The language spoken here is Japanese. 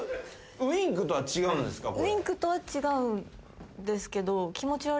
ウインクとは違うんですけど。